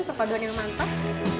perpaduan yang mantap